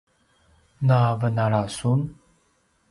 na venala sun?